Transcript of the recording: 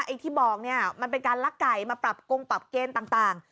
ไอ้ที่บอกเนี่ยมันเป็นการลักไก่มาปรับกงปรับเกณฑ์ต่าง